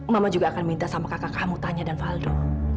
mama juga akan minta sama kakak kamu tanya dan faldo